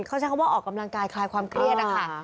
เขาใช้คำว่าออกกำลังกายคลายความเครียดนะคะ